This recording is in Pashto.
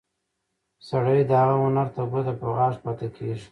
سړی د هغه هنر ته ګوته په غاښ پاتې کېږي.